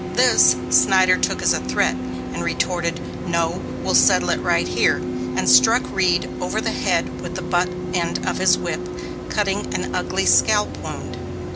This, Synder took as a threat, and retorted, "No, we'll settle it right here," and struck Reed over the head with the butt end of his whip, cutting an ugly scalp wound.